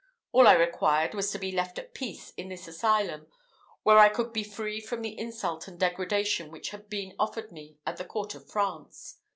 All I required was to be left at peace in this asylum, where I could be free from the insult and degradation which had been offered me at the court of France.